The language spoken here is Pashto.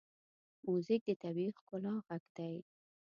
موزیک د طبیعي ښکلا غږ دی.